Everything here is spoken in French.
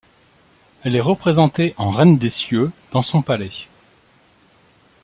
Elle est représentée en Reine des cieux dans son palais.